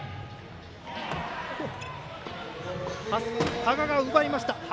羽賀が奪いました。